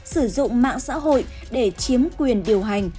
sử dụng mạng xã hội để chiếm quyền điều hành